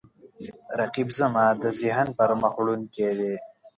رقیب زما د ذهن پرمخ وړونکی دی